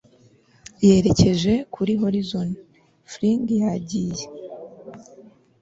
yerekeje kuri horizon, fling yagiye